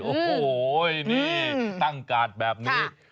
โอ้โหนี่ตั้งกาดแบบนี้